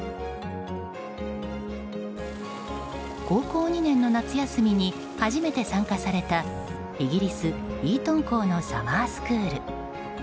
高校２年の夏休みに初めて参加されたイギリス・イートン校のサマースクール。